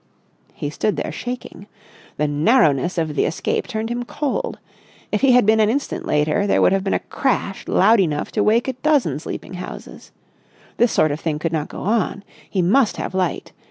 He stood there, shaking. The narrowness of the escape turned him cold. If he had been an instant later, there would have been a crash loud enough to wake a dozen sleeping houses. This sort of thing could not go on. He must have light.